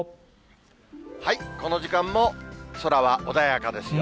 この時間も空は穏やかですよ。